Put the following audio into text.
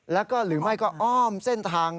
แล้วก็หรือไม่ก็อ้อมเส้นทาง